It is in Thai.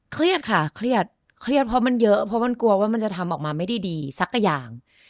เครียดค่ะเครียดเครียดเพราะมันเยอะเพราะมันกลัวว่ามันจะทำออกมาไม่ได้ดีสักอย่าง